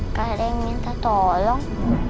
gak ada yang minta tolong